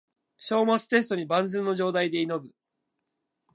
章末テストに万全の状態で挑む